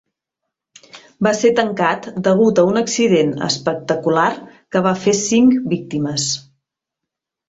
Va ser tancat degut a un accident espectacular que va fer cinc víctimes.